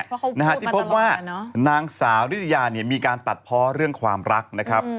เพราะเขาพูดมาตลอดแล้วเนอะที่พบว่านางสาวนิตยานี่มีการตัดเพาะเรื่องความรักนะครับ